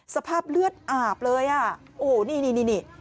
สภาพเลือดอาบเลยโอ้โฮนี่